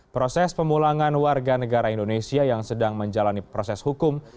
proses pemulangan warga negara indonesia yang sedang menjalani proses hukum